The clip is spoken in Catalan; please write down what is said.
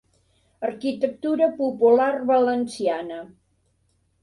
Arquitectura popular valenciana.